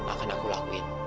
akan aku lakuin